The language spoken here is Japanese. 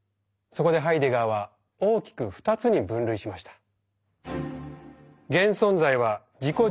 そこでハイデガーは大きく２つに分類しました。